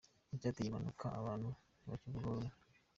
Icyateye iyi mpanuka abantu ntibakivugaho rumwe.